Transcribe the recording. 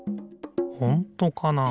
ほんとかな？